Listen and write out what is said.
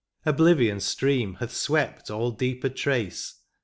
Oblivion's stream hath swept all deeper trace.